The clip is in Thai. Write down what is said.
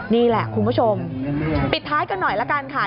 นี่แหละคุณผู้ชมปิดท้ายกันหน่อยละกันค่ะ